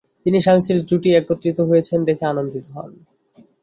তিনি "স্বামী-স্ত্রীর জুটি একত্রিত হয়েছেন" দেখে আনন্দিত হন।